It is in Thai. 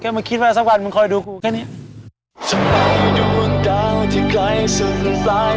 แกมาคิดว่าสักวันมึงคอยดูครูแค่เนี้ย